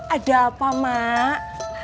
ada apa mak